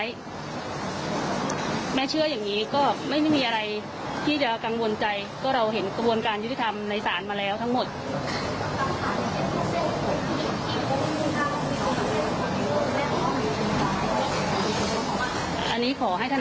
คุณแม่มั่นใจใช่มั้ยเราว่าตัวลุงพลเองน่าจะมีส่วนเกี่ยวข้อความผิด